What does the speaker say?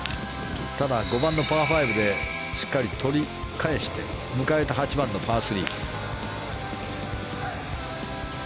ただ、５番のパー５でしっかり取り返して迎えた８番のパー３。